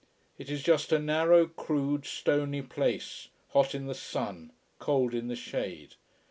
It is just a narrow, crude, stony place, hot in the sun, cold in the shade.